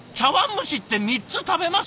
蒸しって３つ食べます？